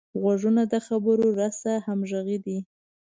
غوږونه د خبرو رسه همغږي دي